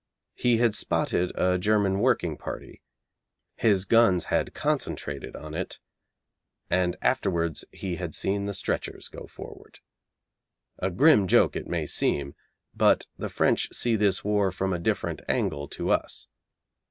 He had spotted a German working party, his guns had concentrated on it, and afterwards he had seen the stretchers go forward. A grim joke, it may seem. But the French see this war from a different angle to us.